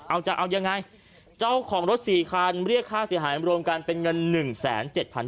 เอาจากเอายังไงเจ้าของรถสี่คันเรียกค่าเสียหายอำรวมกันเป็นเงิน๑แสน๗๐๐๐บาท